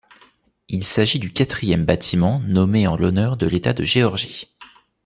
Il s'agit du quatrième bâtiment nommé en l'honneur de l'État de Géorgie.